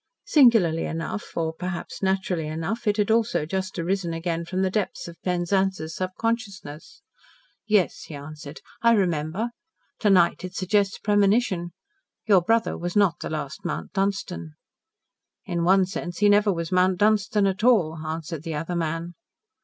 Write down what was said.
Singularly enough or perhaps naturally enough it had also just arisen again from the depths of Penzance's subconsciousness. "Yes," he answered, "I remember. To night it suggests premonition. Your brother was not the last Mount Dunstan." "In one sense he never was Mount Dunstan at all," answered the other man.